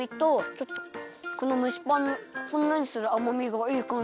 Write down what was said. ちょっとこのむしパンのほんのりするあまみがいいかんじに。